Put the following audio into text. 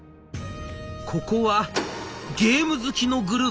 「ここはゲーム好きのグループ。